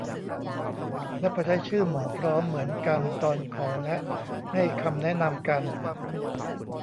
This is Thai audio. และพอใช้ชื่อ หมอพร้อม เหมือนกัน ตอนขอและให้คำแนะนำกัน